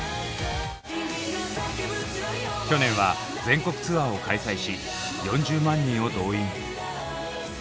去年は全国ツアーを開催し４０万人を動員。